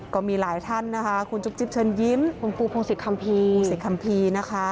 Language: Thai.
ก็มีหลายท่านคุณจุ๊บจิ๊บเชิญยิ้มคุณปูพงศิษย์คัมพี